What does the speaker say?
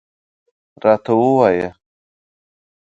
راته ووایه.